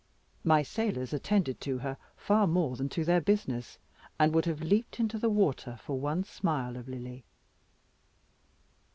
My sailors attended to her far more than to their business, and would have leaped into the water for one smile of Lily.